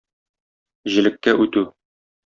Җелеккә үтү.